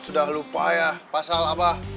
sudah lupa ya pasal apa